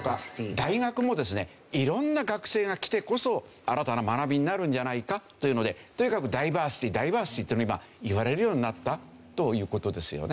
大学もですね色んな学生が来てこそ新たな学びになるんじゃないかというのでとにかくダイバーシティダイバーシティっていうのが今言われるようになったという事ですよね。